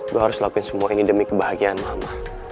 gue harus lakuin semua ini demi kebahagiaan mama